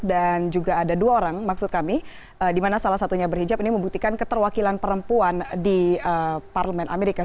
dan juga ada dua orang maksud kami dimana salah satunya berhijab ini membuktikan keterwakilan perempuan di parlemen amerika